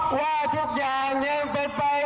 ว่าทุกอย่างยังเป็นประโยชน์